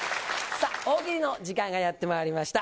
さあ、大喜利の時間がやってまいりました。